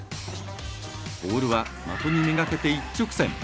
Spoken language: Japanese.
ボールは的に目がけて一直線。